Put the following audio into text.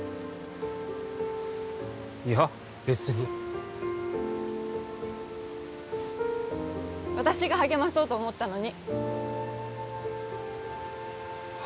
いや別に私が励まそうと思ったのには？